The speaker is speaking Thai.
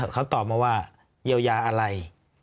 เขาตอบมาว่าเยียวยาอะไร